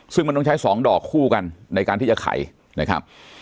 ซึ่งมันต้องใช้๒ดอกคู่กันในการที่จะไขนะครับ